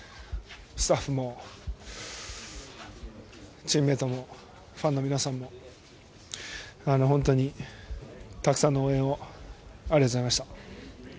スタッフもチームメートもファンの皆さんも本当にたくさんの応援をありがとうございました。